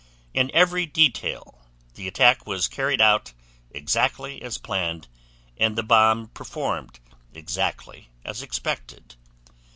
In every detail, the attack was carried out exactly as planned, and the bomb performed exactly as expected.